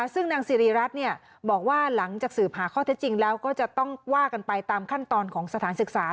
ซึ่งนางสิริรัตน์บอกว่าหลังจากสืบหาข้อเท็จจริงแล้วก็จะต้องว่ากันไปตามขั้นตอนของสถานศึกษา